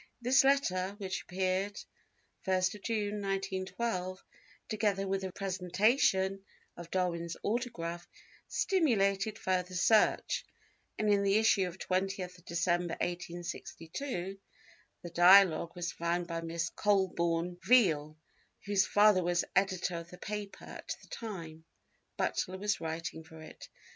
This letter, which appeared 1 June, 1912, together with the presentation of Darwin's autograph, stimulated further search, and in the issue for 20th December, 1862, the Dialogue was found by Miss Colborne Veel, whose father was editor of the paper at the time Butler was writing for it.